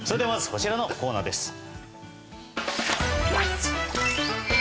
まずはこちらのコーナーです。